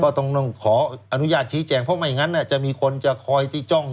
ต้องขออนุญาตชี้แจงเพราะไม่งั้นจะมีคนจะคอยที่จ้อง